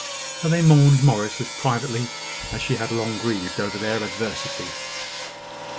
So they mourned Morris as privately as she had long grieved over their adversity.